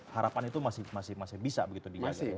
harapan itu masih bisa begitu diganti